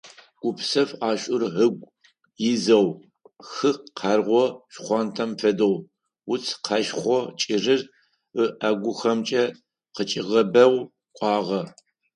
Гупсэф ӀэшӀур ыгу изэу, хы къэргъо шхъуантӀэм фэдэу, уц къэшхъо кӀырыр ыӀэгухэмкӀэ къычӀигъэбэу кӀуагъэ.